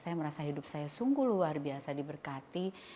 saya merasa hidup saya sungguh luar biasa diberkati